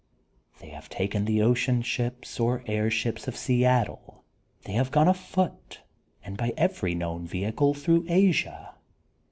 They have taken the ocean ships or air ships of Seattle, they have gone afoot and by every known vehicle through Asia.